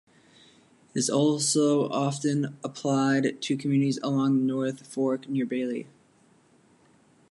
It also is often applied to the communities along the North Fork near Bailey.